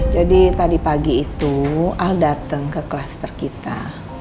jadi tadi pagi itu al datang ke klaster kita